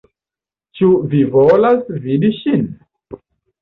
Ĉu vi volas vidi ŝin?